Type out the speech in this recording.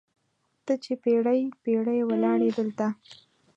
ته چې پیړۍ، پیړۍ ولاړیې دلته